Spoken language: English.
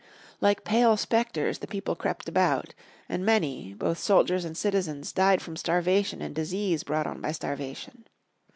Like pale specters the people crept about, and many, both soldiers and citizens, died from starvation and disease brought on by starvation.